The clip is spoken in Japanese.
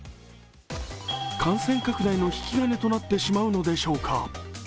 感染拡大の引き金となってしまうのでしょうか。